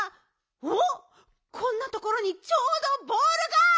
おっこんなところにちょうどボールが！